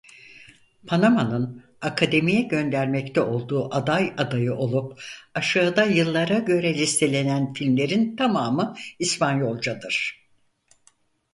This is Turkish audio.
Panama'nın Akademi'ye göndermekte olduğu aday adayı olup aşağıda yıllara göre listelenen filmlerin tamamı İspanyolcadır.